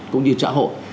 cũng như trạng hội